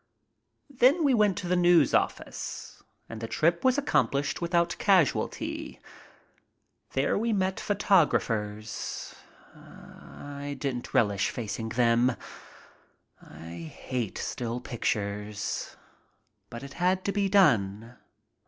Then we went to the News office, and the trip was accomplished without casualty. There we met photographers. I didn't relish facing them. I hate still pictures. But it had to be done.